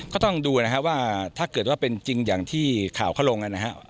ก็ต้องดูว่าถ้าเกิดว่าเป็นจริงอย่างที่ข่าวเข้าลง